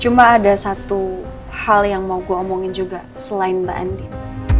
cuma ada satu hal yang mau gue omongin juga selain mbak andin